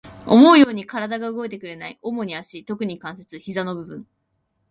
思うように体が動いてくれない。主に足、特に関節、膝の部分。